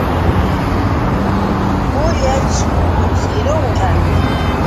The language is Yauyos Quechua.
Bullaćh lluqsirunqa.